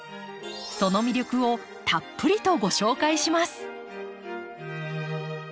その魅力をたっぷりとご紹介します。